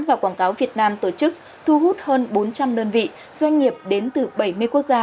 và quảng cáo việt nam tổ chức thu hút hơn bốn trăm linh đơn vị doanh nghiệp đến từ bảy mươi quốc gia